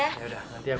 makasih ya anak